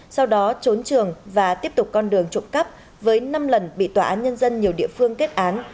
sau đó trốn trường và tiếp tục con đường trộm cắp với năm lần bị tòa án nhân dân nhiều địa phương kết án